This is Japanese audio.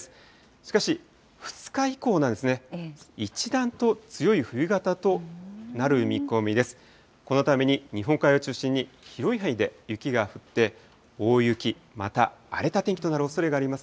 しかし、２日以降なんですね、一段と強い冬型となる見込みです。